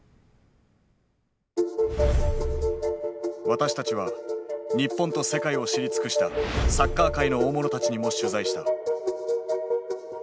私たちは日本と世界を知り尽くしたサッカー界の大物たちにも取材した。